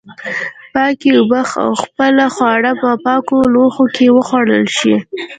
پاکې اوبه او پاک خواړه په پاکو لوښو کې وخوړل شي.